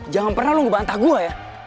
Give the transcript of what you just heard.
jangan pernah lu ngebantah gue ya